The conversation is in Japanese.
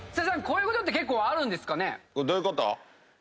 こういうことって結構あるんですかね？